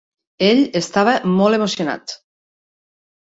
Ell estava molt emocionat.